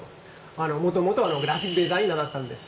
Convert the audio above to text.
あのもともとグラフィックデザイナーだったんです。